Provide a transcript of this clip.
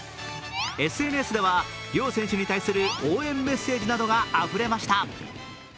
ＳＮＳでは両選手に対する応援メッセージなどがあふれました。